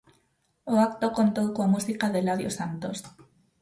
O acto contou coa música de Eladio Santos.